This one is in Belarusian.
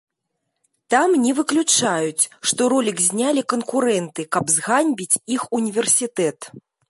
Там не выключаюць, што ролік знялі канкурэнты, каб зганьбіць іх універсітэт.